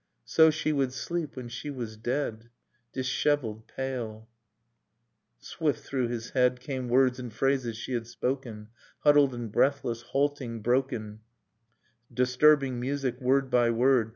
So she would sleep when she was dead : Dishevelled, pale ... 132] Dust in Starlight Swift through his head Came words and phrases she had spoken, Huddled and breathless, halting, broken,— Disturbing music, word by word.